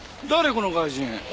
この外人。